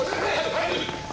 はい！